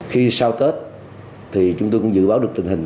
khi sau tết thì chúng tôi cũng dự báo được tình hình